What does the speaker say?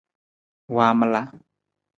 Waamala.